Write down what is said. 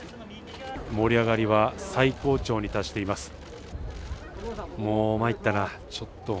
盛り上がりは最高潮に達しています。